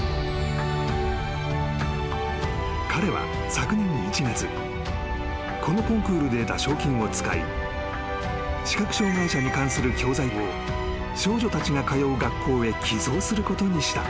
［彼は昨年１月このコンクールで得た賞金を使い視覚障がい者に関する教材を少女たちが通う学校へ寄贈することにした］